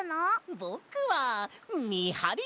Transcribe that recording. ぼくはみはりさ！